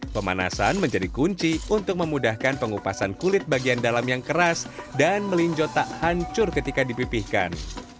pemanasan menjadi kunci untuk memudahkan pengupasan kulit bagian dalam yang keras dan melinjo tak hancur ketika dipipihkan